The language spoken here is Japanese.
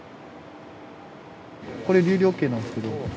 これ流量計なんですけど。